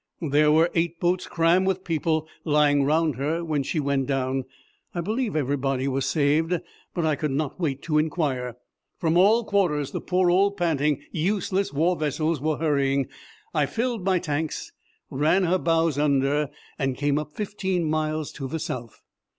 There were eight boats crammed with people lying round her when she went down. I believe everybody was saved, but I could not wait to inquire. From all quarters the poor old panting, useless war vessels were hurrying. I filled my tanks, ran her bows under, and came up fifteen miles to the south.